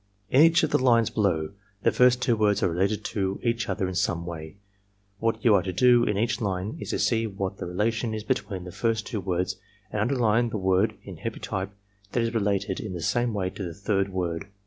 "In each of the lines below the first two words are related to each other in some way. What you are to do in each line is to see what the relation is between the first two words, and imder line the word in heavy type that is related in the same way to the third word.